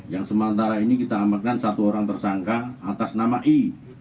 yang sementara ini kita amankan satu orang tersangka atas nama i